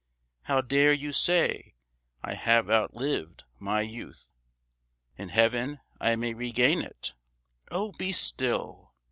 How dare you say I have outlived my youth? "'In heaven I may regain it'? Oh, be still!